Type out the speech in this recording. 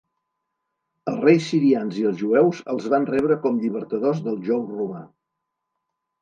Els reis sirians i els jueus els van rebre com llibertadors del jou romà.